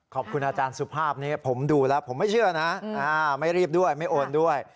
ขอบคุณอาจารย์สุภาพนี้ผมดูแล้วผมไม่เชื่อนะไม่รีบด้วยไม่โอนด้วย